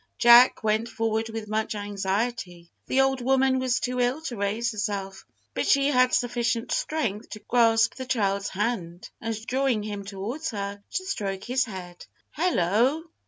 Jack went forward with much anxiety. The old woman was too ill to raise herself; but she had sufficient strength to grasp the child's hand, and, drawing him towards her, to stroke his head. "Hallo!